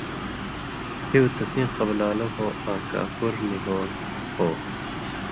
ہِیُو تسیں قبلان٘لو ہو آں کاپھُر نی ہول ہو۔